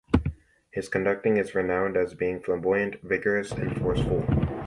His conducting is renowned as being flamboyant, vigorous and forceful.